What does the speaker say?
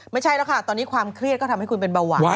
ไม่ใช่แล้วค่ะตอนนี้ความเครียดก็ทำให้คุณเป็นเบาหวาน